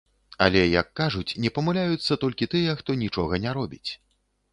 Але, як кажуць, не памыляюцца толькі тыя, хто нічога не робіць.